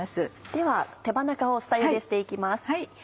では手羽中を下ゆでして行きます。